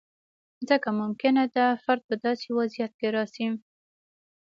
ځکه ممکنه ده فرد په داسې وضعیت کې راشي.